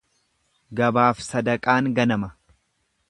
Gabaaf sadaqaan ganama.